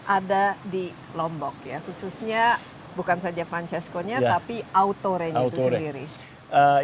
ada di lombok ya khususnya bukan saja francesco nya tapi autoreit itu sendiri